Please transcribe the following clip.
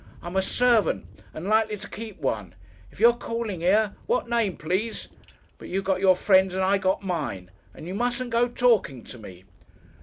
I'm a servant and likely to keep one. If you're calling here, what name please? But you got your friends and I got mine and you mustn't go talking to me."